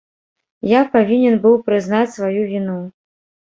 Я павінен быў прызнаць сваю віну.